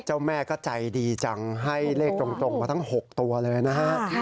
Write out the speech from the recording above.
เจ้าแม่ก็ใจดีจังให้เลขตรงมาทั้ง๖ตัวเลยนะฮะ